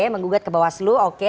menggugat ke bawah selu oke